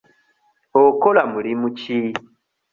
Okola mulimu ki?